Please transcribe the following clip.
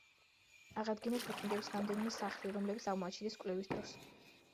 აღადგინეს ვიკინგების რამდენიმე სახლი, რომლებიც აღმოაჩინეს კვლევის დროს.